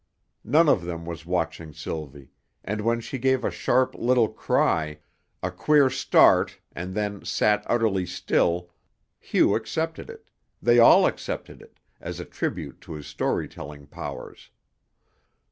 None of them was watching Sylvie, and when she gave a sharp, little cry, a queer start and then sat utterly still, Hugh accepted it they all accepted it as a tribute to his story telling powers.